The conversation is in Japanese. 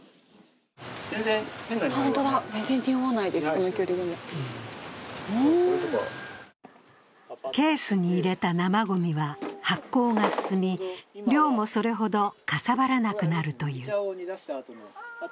全然臭わないです、この距離でもケースに入れた生ごみは発酵が進み、量も、それほどかさばらなくなるという。